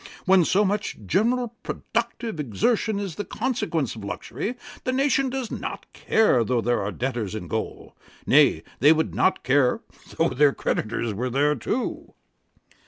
When so much general productive exertion is the consequence of luxury, the nation does not care though there are debtors in gaol; nay, they would not care though their creditors were there too.'